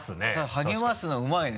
励ますのうまいね